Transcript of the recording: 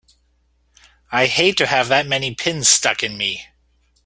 I'd hate to have that many pins stuck in me!